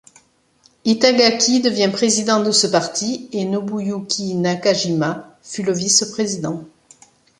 Itagaki devint président de ce parti et Nobuyuki Nakajima fut le vice-président.